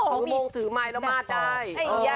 ของมงถือไม้แล้วมาดได้